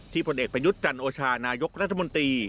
ผลเอกประยุทธ์จันโอชานายกรัฐมนตรี